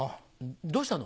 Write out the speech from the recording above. どうしたの？